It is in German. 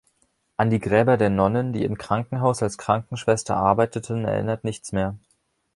An die Gräber der Nonnen, die im Krankenhaus als Krankenschwestern arbeiteten, erinnert nichts mehr.